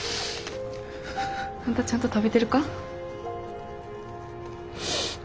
あんたちゃんと食べてるか？